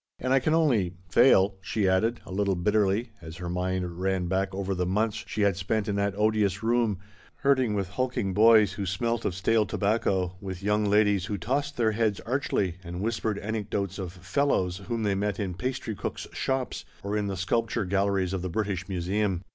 And I can only — fail," she added a little bitterly, as her mind ran back over the months she had spent in that odious room, herding with hulk ing boys who smelt of stale tobacco, with young women who tossed their heads archly and whispered anecdotes of " fellows " whom they met in pastry cooks' shops or in the sculpture galleries of the British Museum.